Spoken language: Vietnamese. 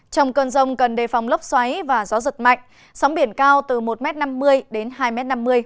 trong cơn rông cần đề phòng lốc xoáy và gió giật mạnh sóng biển cao từ một năm mươi đến hai năm mươi m